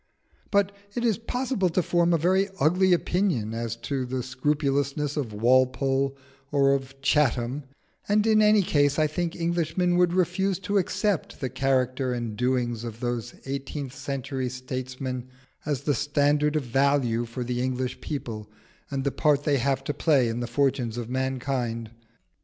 But it is possible to form a very ugly opinion as to the scrupulousness of Walpole or of Chatham; and in any case I think Englishmen would refuse to accept the character and doings of those eighteenth century statesmen as the standard of value for the English people and the part they have to play in the fortunes of mankind.